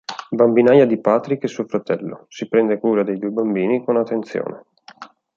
Bambinaia di Patrick e suo fratello; si prende cura dei due bambini con attenzione.